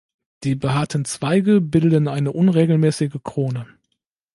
Die behaarten Zweige bilden eine unregelmäßige Krone.